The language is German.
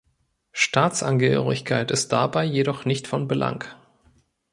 Staatsangehörigkeit ist dabei jedoch nicht von Belang.